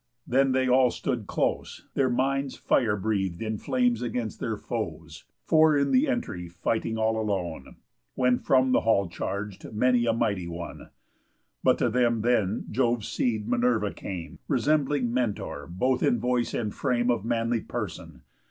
Then they all stood close, Their minds fire breath'd in flames against their foes, Four in th' entry fighting all alone; When from the hall charg'd many a mighty one. But to them then Jove's seed, Minerva, came, Resembling Mentor both in voice and frame Of manly person.